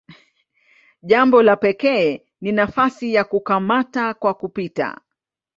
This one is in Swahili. Jambo la pekee ni nafasi ya "kukamata kwa kupita".